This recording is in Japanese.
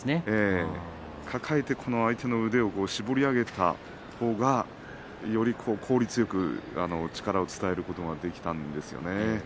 抱えて相手の腕を絞り上げたほうがより効率よく力を伝えることができたんですよね。